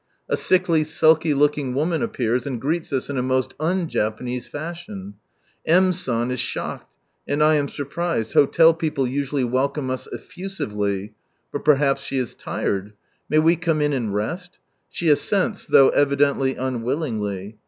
A sickly, sulky looking woman appears, and greets us in a most w/Japanese fashion, M. San is shocked, and I am surprised; hotel people usually welcome us effusively. But perhaps she is tired. " May we come in and rest?" She assents, though evidently unwillingly.